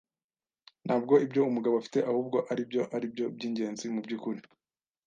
Ntabwo ibyo umugabo afite ahubwo aribyo aribyo byingenzi mubyukuri.